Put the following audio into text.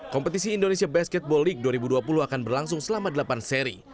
kompetisi indonesia basketball league dua ribu dua puluh akan berlangsung selama delapan seri